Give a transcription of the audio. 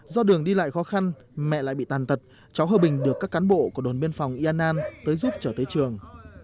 do đường đi lại khó khăn mẹ lại bị tàn tật cháu hơ bình được các cán bộ của đồn biên phòng yên an tới giúp trở tới trường